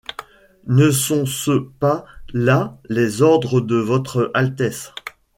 Ne sont-ce pas là les ordres de votre altesse?